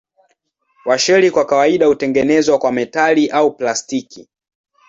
Washeli kwa kawaida hutengenezwa kwa metali au plastiki.